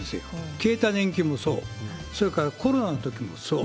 消えた年金もそう、それからコロナのときもそう。